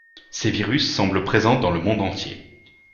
Ces virus semblent présents dans le monde entier.